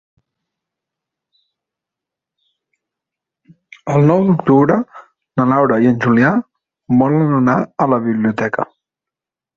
El nou d'octubre na Laura i en Julià volen anar a la biblioteca.